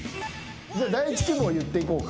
じゃあ第一希望言っていこうか。